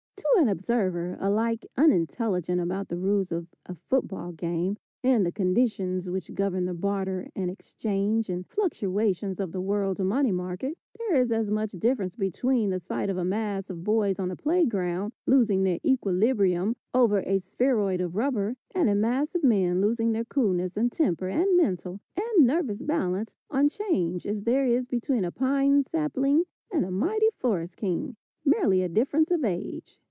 To an observer, alike unintelligent about the rules of a football game, and the conditions which govern the barter and exchange and fluctuations of the world's money market, there is as much difference between the sight of a mass of boys on a play ground losing their equilibrium over a spheroid of rubber and a mass of men losing their coolness and temper and mental and nervous balance on change as there is between a pine sapling and a mighty forest king merely a difference of age.